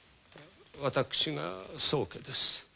私が宗家です。